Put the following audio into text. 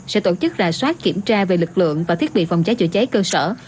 sẽ tổ chức rà soát kiểm tra về lực lượng và thiết bị phòng cháy chữa cháy cơ sở